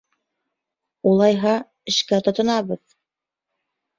— Улайһа, эшкә тотонабыҙ!